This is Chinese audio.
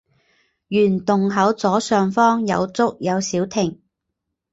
原洞口左上方有竹有小亭。